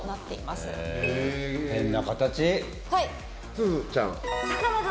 すずちゃん。